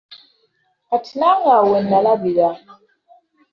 Kati nange awo wennalabira.